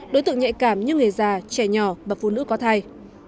đối tượng nhạy cảm như người già trẻ nhỏ và phụ nữ có thai